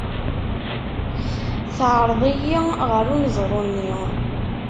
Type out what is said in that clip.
Teɛreḍ-iyi ɣer uneḍru-nni.